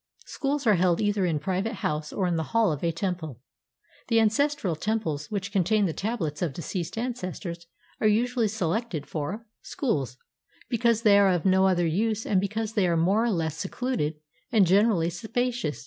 Schools are held either in a private house or in the hall of a temple. The ancestral temples which contain the tablets of deceased ancestors are usually selected for schools, because they are of no other use and because they are more or less secluded and are generally spacious.